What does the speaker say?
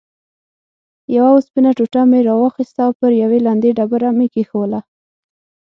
یوه اوسپنه ټوټه مې راواخیسته او پر یوې لندې ډبره مې کېښووله.